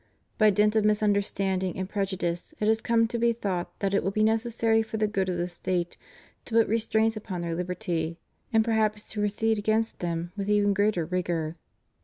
By dint of misunderstanding and prejudice it has come to be thought that it will be necessary for the good of the State to put restraints upon their liberty, and perhaps to proceed against them with even greater rigor.